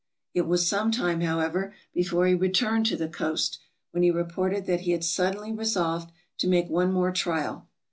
It was some time, however, before he returned to the coast, when he reported that he had suddenly resolved to make one more trial.